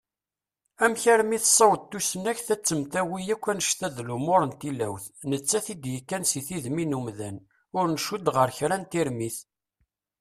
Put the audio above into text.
Amek armi tassaweḍ tusnakt ad temtawi akk annect-a d lumuṛ n tilawt, nettat i d-yekkan si tedmi n umdan, ur ncudd ɣer kra n termit?